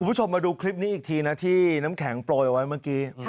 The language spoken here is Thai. คุณผู้ชมมาดูคลิปนี้อีกทีนะที่น้ำแข็งโปรยเอาไว้เมื่อกี้